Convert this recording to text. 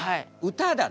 歌だね。